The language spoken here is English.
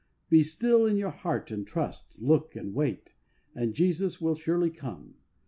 Be still in your heart and trust, look and wait, and Jesus will surely come.